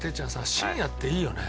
深夜っていいよね。